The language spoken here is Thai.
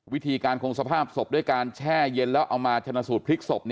วิธีการคงสภาพศพด้วยการแช่เย็นแล้วเอามาชนะสูตรพลิกศพ